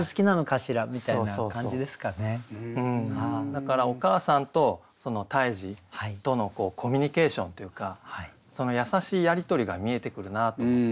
だからお母さんと胎児とのコミュニケーションというか優しいやり取りが見えてくるなと思ってね。